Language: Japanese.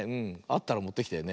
あったらもってきて。